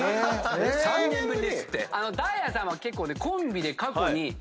ダイアンさんは結構コンビで過去に３回。